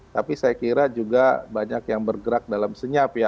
tapi saya kira juga banyak yang bergerak dalam senyap ya